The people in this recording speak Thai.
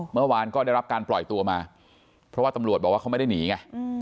เมื่อวานก็ได้รับการปล่อยตัวมาเพราะว่าตำรวจบอกว่าเขาไม่ได้หนีไง